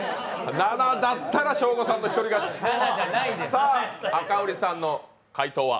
７だったらショーゴさんの一人勝ち赤堀さんの回答は？